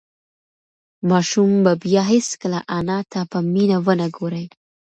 ماشوم به بیا هیڅکله انا ته په مینه ونه گوري.